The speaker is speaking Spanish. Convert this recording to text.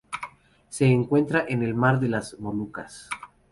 Se encuentra en el Mar de las Molucas.